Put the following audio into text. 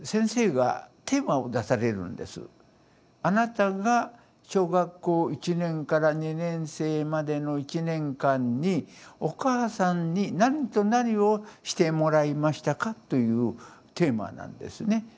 「あなたが小学校１年から２年生までの１年間にお母さんに何と何をしてもらいましたか」というテーマなんですね。